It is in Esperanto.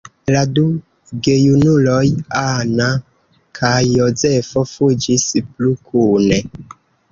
La du gejunuloj, Anna kaj Jozefo, fuĝis plu kune.